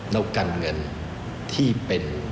เรากันเงินที่เป็น